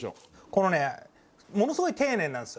このねものすごい丁寧なんすよ。